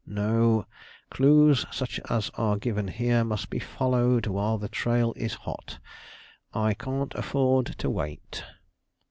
"No; clues such as are given here must be followed while the trail is hot; I can't afford to wait."